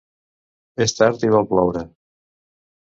És tard i vol ploure.